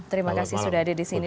terima kasih sudah ada di sini